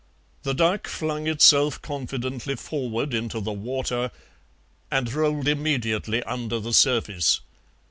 The duck flung itself confidently forward into the water, and rolled immediately under the surface.